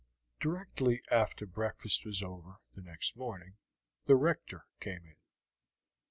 Directly after breakfast was over the next morning the Rector came in.